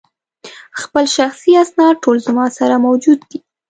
خپل شخصي اسناد ټول زما سره موجود دي.